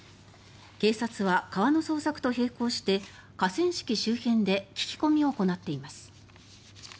警察は川の捜索と並行して河川敷周辺で聞き込みを行っています。